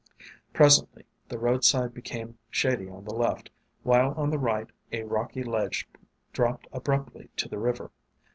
Presently the roadside became shady on the left, while on the right a rocky ledge dropped abruptly to the river.